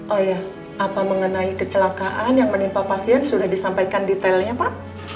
oh ya apa mengenai kecelakaan yang menimpa pasien sudah disampaikan detailnya pak